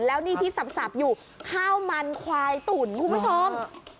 แล้วนี่ที่สับอยู่ข้าวมันควายตุ๋นคุณผู้ชม